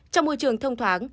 trong môi trường thông thoáng